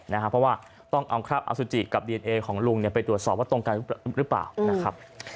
เพราะว่าต้องเอาคราบอสุจิกับดีเอนเอของลุงไปตรวจสอบว่าตรงกันหรือเปล่านะครับ